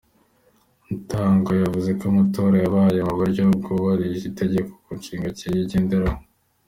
Mutanga yavuze ko amatora yabaye mu buryo bwubahirije itegeko nshinga Kenya igenderaho.